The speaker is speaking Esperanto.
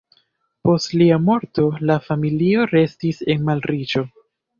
Post lia morto la familio restis en malriĉo.